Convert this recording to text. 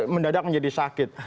mendadak menjadi sakit